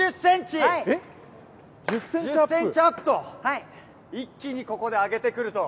１０センチアップと、一気にここで上げてくると。